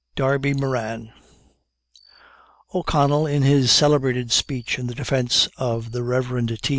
DARBY MORAN. O'Connell in his celebrated speech in defence of the Rev. T.